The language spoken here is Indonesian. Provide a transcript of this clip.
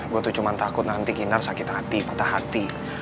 gue tuh cuma takut nanti ginar sakit hati patah hati